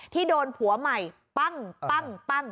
ที่โดนผัวใหม่ปั้งปั้งปั้ง